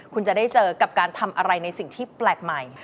คุณจะได้เจอกับการทำอะไรในสิ่งที่แปลกใหม่